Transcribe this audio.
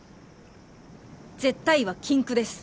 絶対は禁句です。